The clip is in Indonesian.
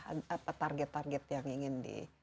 apa target target yang ingin di